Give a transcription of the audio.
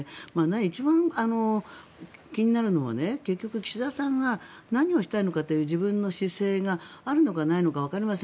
一番気になるのは結局、岸田さんが何をしたいのかという自分の姿勢があるのかないのかわかりません。